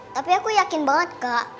tapi aku yakin banget kak